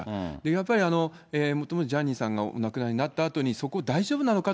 やっぱりジャニーさんがお亡くなりになったあとに、そこ、大丈夫なのか？